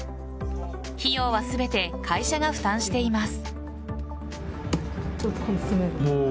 費用は全て会社が負担しています。